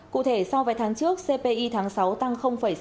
cụ thể sau vài tháng trước cpi tháng sáu tăng sáu mươi sáu